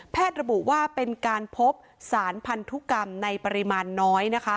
ระบุว่าเป็นการพบสารพันธุกรรมในปริมาณน้อย